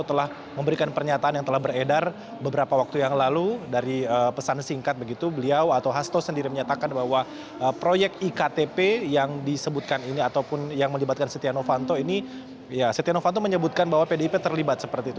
telah memberikan pernyataan yang telah beredar beberapa waktu yang lalu dari pesan singkat begitu beliau atau hasto sendiri menyatakan bahwa proyek iktp yang disebutkan ini ataupun yang melibatkan setia novanto ini ya setia novanto menyebutkan bahwa pdip terlibat seperti itu